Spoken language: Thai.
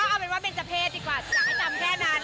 เอาเป็นว่าเป็นเจ้าเพศดีกว่าอยากให้จำแค่นั้น